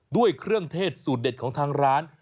ด้วยเครื่องเทศสูตรเด็ดของทางร้าน